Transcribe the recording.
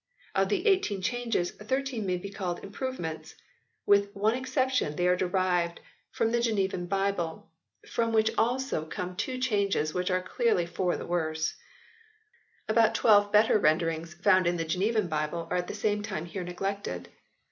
Of the 18 changes 13 may be called improvements; with one exception they are derived from the Genevan 90 HISTORY OF THE ENGLISH BIBLE [CH. Bible, from which also come two changes which are clearly for the worse. About 12 better renderings found in the Genevan Bible are at the same time here neglected.